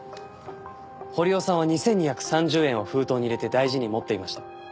堀尾さんは２２３０円を封筒に入れて大事に持っていました。